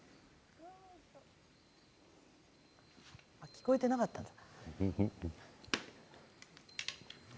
聞こえていなかったんだ。